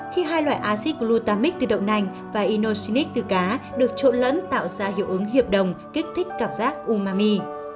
khi hai loại acid glutamate từ đậu nành và inoxidase từ cá được trộn lẫn tạo ra hiệu ứng hiệp đồng kích thích cảm giác umami